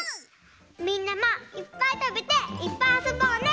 みんなもいっぱいたべていっぱいあそぼうね！